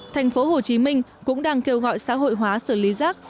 thành phố hồ chí minh cũng đang kêu gọi xã hội hóa xử lý rác